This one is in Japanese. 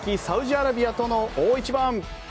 サウジアラビアとの大一番。